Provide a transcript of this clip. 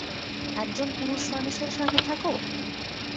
একজন পুরুষ মানুষের সাথে থাকো?